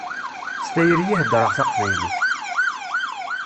S tayri i heddṛeɣ taqbaylit.